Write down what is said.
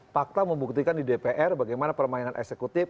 fakta membuktikan di dpr bagaimana permainan eksekutif